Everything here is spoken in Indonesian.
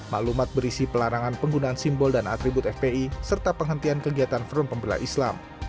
maklumat berisi pelarangan penggunaan simbol dan atribut fpi serta penghentian kegiatan front pembela islam